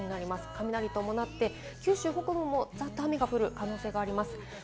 雷を伴って、九州も午後、ざっと雨が降る可能性があります。